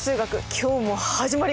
今日も始まります！